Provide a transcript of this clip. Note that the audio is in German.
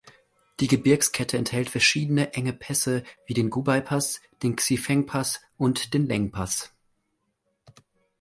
Die Gebirgskette enthält verschiedene enge Pässe wie den Gubei-Pass, den Xifeng-Pass und den Leng-Pass.